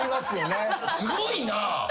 すごいな！